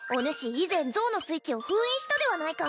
以前像のスイッチを封印したではないか